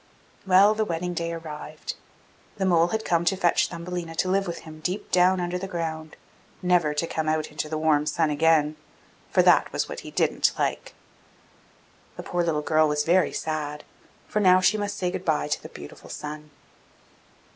Well, the wedding day arrived. The mole had come to fetch Thumbelina to live with him deep down under the ground, never to come out into the warm sun again, for that was what he didn't like. The poor little girl was very sad; for now she must say good bye to the beautiful sun.